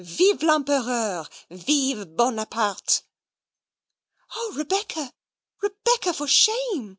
Vive l'Empereur! Vive Bonaparte!" "O Rebecca, Rebecca, for shame!"